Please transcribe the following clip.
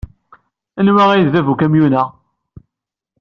Anwa ay d bab n ukamyun-a?